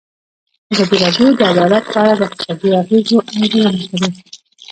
ازادي راډیو د عدالت په اړه د اقتصادي اغېزو ارزونه کړې.